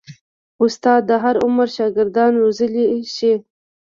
استاد د هر عمر شاګرد روزلی شي.